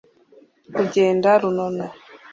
kugenda runono